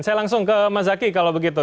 saya langsung ke mas zaky kalau begitu